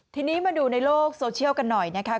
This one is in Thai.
ทีนี้มาดูในโลกโซเชียลกันหน่อยนะคะ